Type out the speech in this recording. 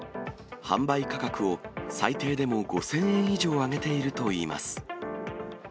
販売価格を最低でも５０００円以上上げているといいます。